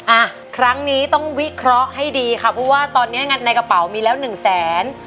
อ่ะครั้งนี้ต้องวิเคราะห์ให้ดีค่ะเพราะว่าตอนนี้ในกระเป๋ามีแล้วหนึ่งแสน